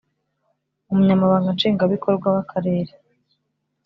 Umunyamabanga Nshingwabikorwa w Akarere